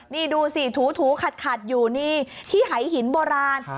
นี่ดูสิถูขัดอยู่นี่ที่หายหินโบราณ